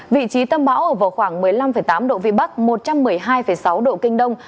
vị trí tâm bão ở vào khoảng một mươi năm tám độ vĩ bắc một trăm một mươi hai sáu độ kinh đông